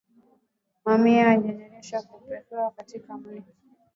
Mamia ya wanajeshi wamepelekwa katika milima